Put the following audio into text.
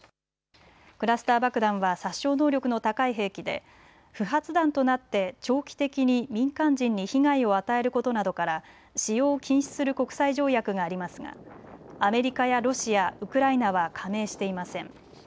クラスター爆弾は殺傷能力の高い兵器で不発弾となって長期的に民間人に被害を与えることなどから使用を禁止する国際条約がありますがアメリカやロシア、ウクライナは加盟していません。